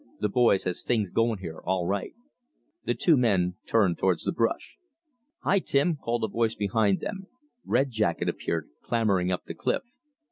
"Th' boys has things going here all right." The two men turned towards the brush. "Hi, Tim," called a voice behind them. Red Jacket appeared clambering up the cliff.